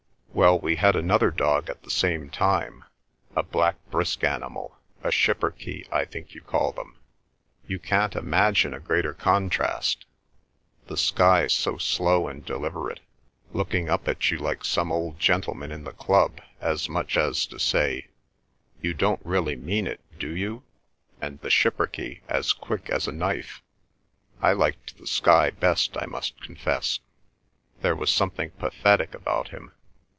Well, we had another dog at the same time, a black brisk animal—a Schipperke, I think, you call them. You can't imagine a greater contrast. The Skye so slow and deliberate, looking up at you like some old gentleman in the club, as much as to say, 'You don't really mean it, do you?' and the Schipperke as quick as a knife. I liked the Skye best, I must confess. There was something pathetic about him."